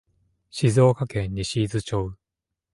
静岡県西伊豆町